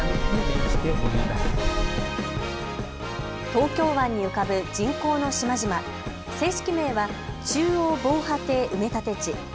東京湾に浮かぶ人工の島々、正式名は中央防波堤埋立地。